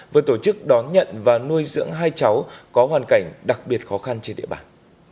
vừa tổ chức đón nhận và nuôi dưỡng hai cháu có hoàn cảnh đặc biệt khó khăn